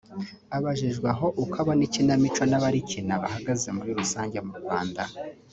Abajijwe aho uko abona ikinamico n’abarikina bahagaze muri rusange mu Rwanda